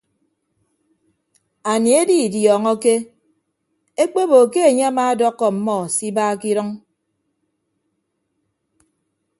Anie edidiọọñọ ke ekpebo ke enye amaadọkkọ ọmmọ se iba ke idʌñ.